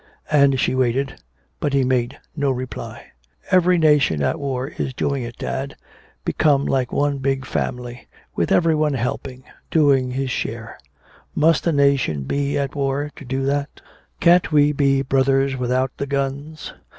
And she waited. But he made no reply. "Every nation at war is doing it, dad become like one big family with everyone helping, doing his share. Must a nation be at war to do that? Can't we be brothers without the guns?